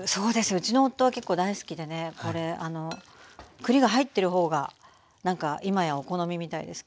うちの夫は結構大好きでねこれあの栗が入ってる方がいまやお好みみたいですけど。